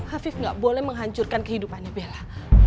afif gak boleh menghancurkan kehidupannya bella